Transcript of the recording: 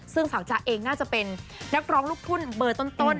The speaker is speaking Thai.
ซึ่งสาวจ๊ะเองน่าจะเป็นนักร้องลูกทุ่งเบอร์ต้น